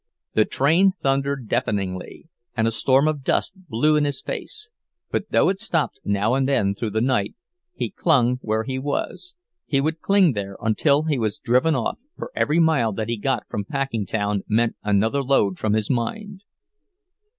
The train thundered deafeningly, and a storm of dust blew in his face; but though it stopped now and then through the night, he clung where he was—he would cling there until he was driven off, for every mile that he got from Packingtown meant another load from his mind.